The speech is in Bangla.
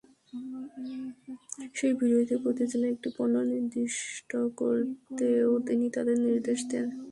সেই ভিত্তিতে প্রতি জেলায় একটি পণ্য নির্দিষ্ট করতেও তিনি তাঁদের নির্দেশ দেন।